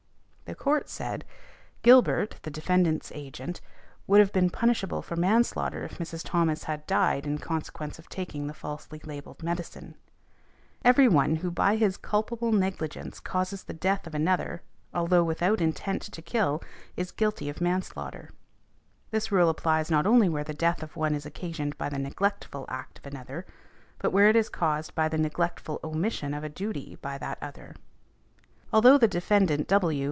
The Court said, "Gilbert, the defendant's agent, would have been punishable for manslaughter if Mrs. Thomas had died in consequence of taking the falsely labelled medicine. Every one who by his culpable negligence causes the death of another, although without intent to kill, is guilty of manslaughter . This rule applies not only where the death of one is occasioned by the neglectful act of another, but where it is caused by the neglectful omission of a duty by that other . Although the defendant W.